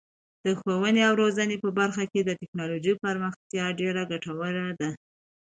د ښوونې او روزنې په برخه کې د تکنالوژۍ پراختیا ډیره ګټوره ده.